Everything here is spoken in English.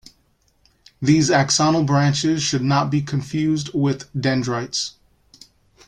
These axonal branches should not be confused with dendrites.